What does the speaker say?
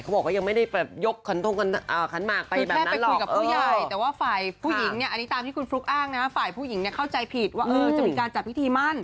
บอกว่ายังไม่ได้แบบยกขันทงขันหมากไปแบบแค่ไปคุยกับผู้ใหญ่แต่ว่าฝ่ายผู้หญิงเนี่ยอันนี้ตามที่คุณฟลุ๊กอ้างนะฝ่ายผู้หญิงเนี่ยเข้าใจผิดว่าเออจะมีการจัดพิธีมั่น